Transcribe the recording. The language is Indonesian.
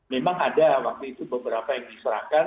memang ada waktu itu beberapa yang diserahkan